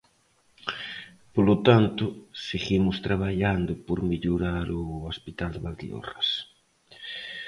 Polo tanto, seguimos traballando por mellorar o hospital de Valdeorras.